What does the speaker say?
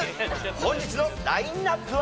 本日のラインナップは？